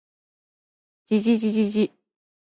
じじじじじ